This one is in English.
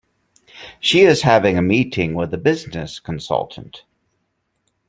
She is having a meeting with a business consultant.